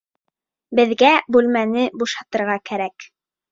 Беҙгә бүлмәне бушатырға кәрәк.